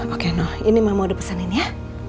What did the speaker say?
oke nino ini mama udah pesenin ya